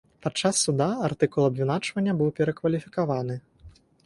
Падчас суда артыкул абвінавачвання быў перакваліфікаваны.